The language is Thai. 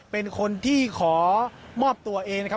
เป็นคนที่ขอมอบตัวเองนะครับ